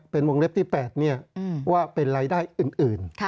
เป็นวงเล็บที่๘ว่าเป็นรายได้อื่น